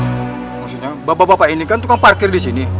maksudnya bapak bapak ini kan tukang parkir disini